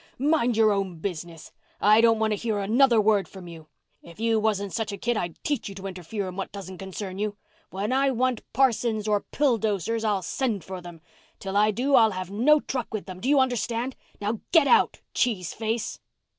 "Mind your own business. I don't want to hear another word from you. If you wasn't such a kid I'd teach you to interfere in what doesn't concern you. When I want parsons or pill dosers I'll send for them. Till I do I'll have no truck with them. Do you understand? Now, get out, cheese face."